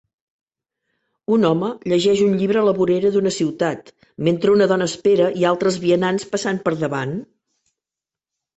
Un home llegeix un llibre a la vorera d'una ciutat mentre una dona espera i altres vianants passant per davant.